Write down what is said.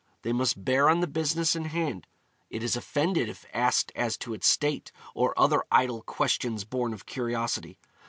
They must bear on the business in hand: it is offended if asked as to its state, or other idle questions born of curiosity.